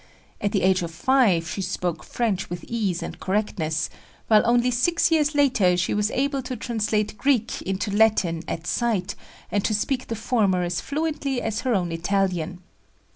At the age of five she spoke French with ease and correctness, while only six years later she was able to translate Greek into Latin at sight and to speak the former as fluently as her own Italian.